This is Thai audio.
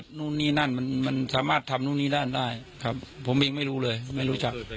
ได้ครับผมยังไม่รู้เลยไม่รู้จัก